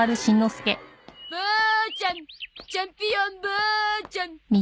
ボーちゃんチャンピオンボーちゃん！